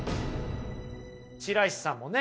白石さんもね